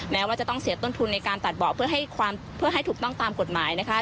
แม้ว่าจะต้องเสียต้นทุนในการตัดเบาะเพื่อให้ความเพื่อให้ถูกต้องตามกฎหมายนะคะ